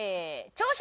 朝食